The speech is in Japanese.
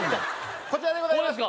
こちらでございます！